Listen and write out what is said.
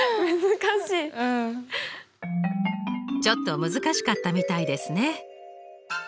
ちょっと難しかったみたいですね。